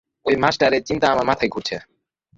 ওই মাস্টারের চিন্তা আমার মাথায় ঘুরছে।